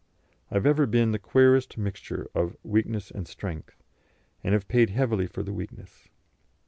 I have ever been the queerest mixture of weakness and strength, and have paid heavily for the weakness.